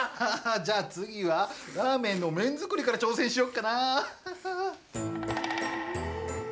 じゃあ次は、ラーメンの麺作りから挑戦しよっかな。